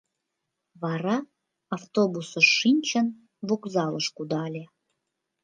Вара, автобусыш шинчын, вокзалыш кудале.